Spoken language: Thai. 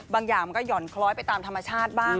อย่างมันก็ห่อนคล้อยไปตามธรรมชาติบ้าง